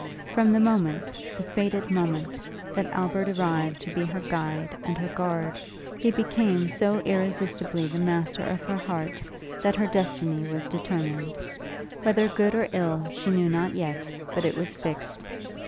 From the moment, the fated moment, that Albert arrived to be her guide and her guard, he became so irresistibly the master of her heart, that her destiny was determined. Whether good or ill, she knew not yet; but it was fixed.